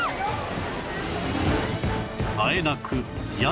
あえなく